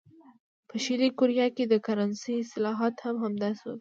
په شلي کوریا کې د کرنسۍ اصلاحات هم همداسې وو.